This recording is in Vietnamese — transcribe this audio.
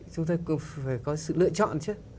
chúng tôi cũng phải có sự lựa chọn chứ